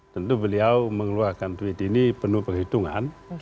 tentu beliau mengeluarkan tweet ini penuh perhitungan